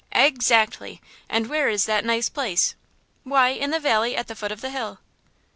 "Ex actly; and where is that nice place?" "Why, in the valley at the foot of the hill."